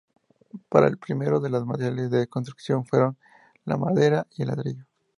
Para el primero los materiales de construcción fueron la madera y el ladrillo.